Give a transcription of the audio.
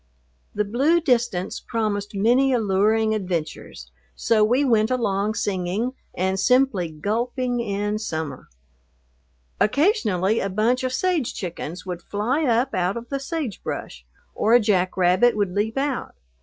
The blue distance promised many alluring adventures, so we went along singing and simply gulping in summer. Occasionally a bunch of sage chickens would fly up out of the sagebrush, or a jack rabbit would leap out.